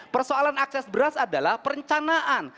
persoalan akses beras adalah perencanaan